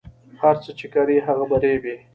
هر څه چې کرې هغه به ریبې